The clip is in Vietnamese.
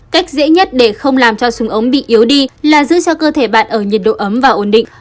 cách dễ nhất để không làm cho súng ống bị yếu đi là giữ cho cơ thể bạn ở nhiệt độ ấm và ổn định